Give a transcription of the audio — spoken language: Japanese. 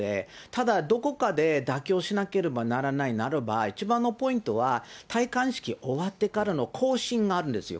ただ、どこかで妥協しなければならないならば、一番のポイントは、戴冠式終わってからの行進があるんですよ。